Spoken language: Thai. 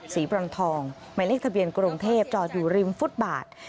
บรองทองหมายเลขทะเบียนกรุงเทพจอดอยู่ริมฟุตบาท